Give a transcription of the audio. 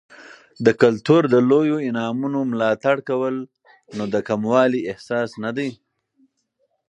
د کلتور د لویو انعامونو ملاتړ کول، نو د کموالي احساس نه دی.